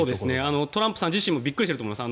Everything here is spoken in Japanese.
トランプさん自身もびっくりとしていると思います。